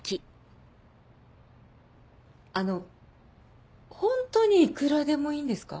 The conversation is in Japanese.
あのホントに幾らでもいいんですか？